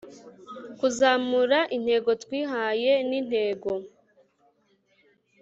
kuzamura Intego twihaye nintego